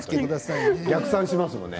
逆算しますものね。